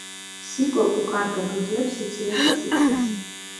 სიკოკუ კარგად უძლებს სიცივეს და სიცხეს.